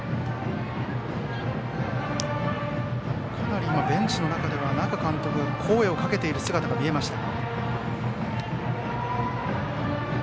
かなりベンチの中では那賀監督が声をかけている姿が見えました。